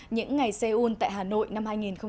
những ngày seoul tại hà nội năm hai nghìn một mươi sáu